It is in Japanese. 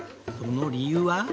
その理由は？